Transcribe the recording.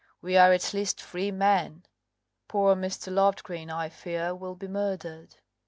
We are at least free men. Poor Mr. Loftgreen, I fear, will be murdered."